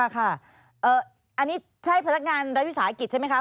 ค่ะอันนี้ใช่พนักงานรัฐวิสาหกิจใช่ไหมคะ